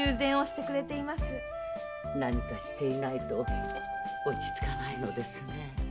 何かしていないと落ち着かないのですね。